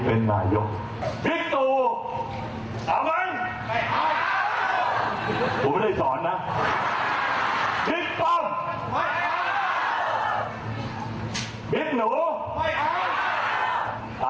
อุ้งดิงจะเอา